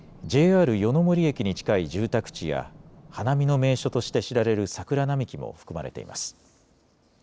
ＪＲ夜ノ森駅に近い住宅地や花見の名所として知られる桜並木も含まれています。